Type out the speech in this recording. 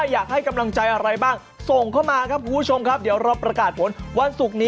อยากให้กำลังใจอะไรบ้างส่งเข้ามาครับคุณผู้ชมครับ